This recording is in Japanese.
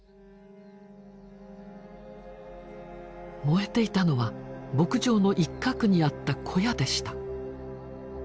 燃えていたのは牧場の一角にあった小屋でした。